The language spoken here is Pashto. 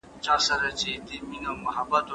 اتڼ هم یو ملي نڅا ده چي د خوښیو په مراسمو کي کیږي.